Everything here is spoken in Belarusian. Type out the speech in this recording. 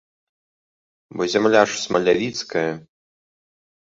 Бо зямля ж смалявіцкая.